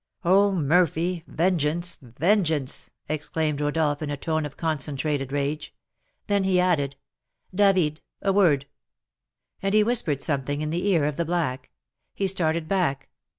"Oh, Murphy! vengeance! vengeance!" exclaimed Rodolph, in a tone of concentrated rage. Then he added, "David, a word " And he whispered something in the ear of the black. He started back.